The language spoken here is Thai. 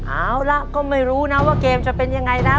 เอาล่ะก็ไม่รู้นะว่าเกมจะเป็นยังไงนะ